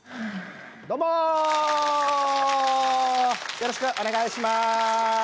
よろしくお願いします。